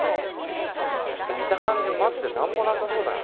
ちょっと見た感じマジで何もなさそうだな。